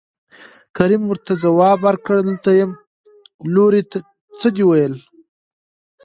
کريم ورته ځواب ورکړ دلته يم لورې څه دې وويل.